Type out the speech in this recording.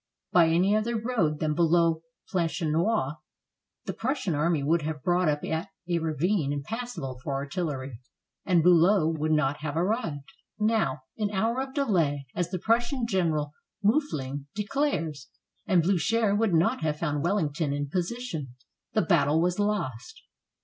By any other road than below Planchenoit, the Prussian army would have brought up at a ravine impassable for artillery, and Btilow would not have arrived. Now, an hour of delay, as the Prussian general, 378 WATERLOO Miiffling, declares, and Bliicher would not have found Wellington in position; "the battle was lost."